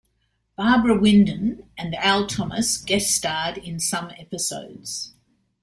Barbara Wyndon and Al Thomas guest starred in some episodes.